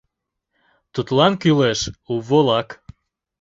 Тудлан кӱлеш у волак